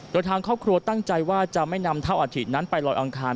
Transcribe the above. โดยทางครอบครัวตั้งใจว่าจะไม่นำเท่าอาทิตนั้นไปลอยอังคาร